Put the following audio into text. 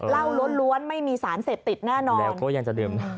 เล่าล้วนไม่มีสารเสพติดแน่นอนแล้วก็ยังจะดื่มนะ